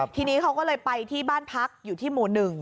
ทีนี้เขาก็เลยไปที่บ้านพักอยู่ที่หมู่๑